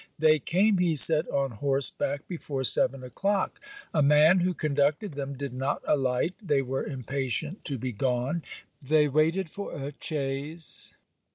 They came, he said, on horseback before seven o'clock. A man, who conducted them, did not alight. They were impatient to be gone. They waited for a chaise.